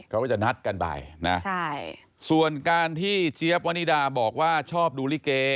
เขาก็จะนัดกันไปนะใช่ส่วนการที่เจี๊ยบวนิดาบอกว่าชอบดูลิเก